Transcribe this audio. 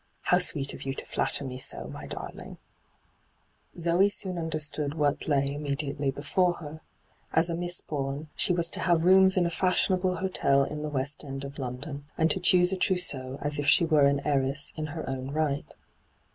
How sweet of you to flatter me so, my darling I' Zoe soon understood what lay immediately before her. As a MIbs Bourne, she was to have rooms in a fashionable hotel in the West End of London, and to choose a trousseau as if she were an heiress in her own right.